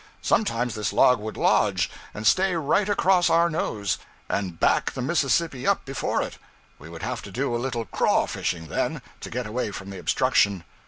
Sometimes this log would lodge, and stay right across our nose, and back the Mississippi up before it; we would have to do a little craw fishing, then, to get away from the obstruction.